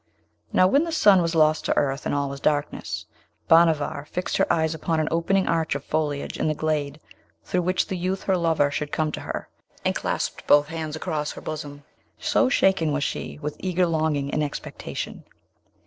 Now, when the sun was lost to earth, and all was darkness, Bhanavar fixed her eyes upon an opening arch of foliage in the glade through which the youth her lover should come to her, and clasped both hands across her bosom, so shaken was she with eager longing and expectation.